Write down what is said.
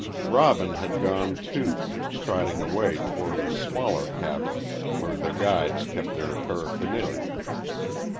Robin had gone, too, striding away toward a smaller cabin where the guides kept their paraphernalia.